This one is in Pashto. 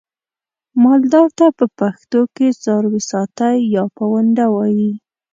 مالدار ته په پښتو کې څارويساتی یا پوونده وایي.